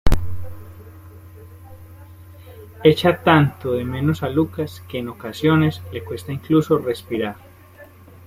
Echa tanto de menos a Lucas que, en ocasiones, le cuesta incluso respirar.